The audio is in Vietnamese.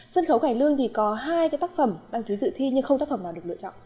sân khấu khải lương thì có hai cái tác phẩm đang thứ dự thi nhưng không tác phẩm nào được lựa chọn